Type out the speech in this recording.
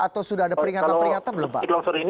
atau sudah ada peringatan peringatan belum pak